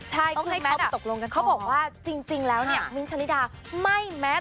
ใช่คือแมทอ่ะเขาบอกว่าจริงแล้วเนี่ยวินชาลิดาไม่แมท